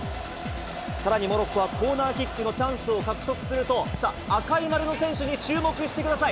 さらにモロッコはコーナーキックのチャンスを獲得すると、さあ、赤い丸の選手に注目してください。